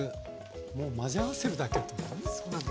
もう混ぜ合わせるだけということですよね。